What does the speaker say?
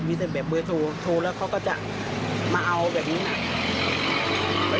มีแบบเบยทูโทรแล้วเขาก็จะมาเอาแบบนี้น่ะ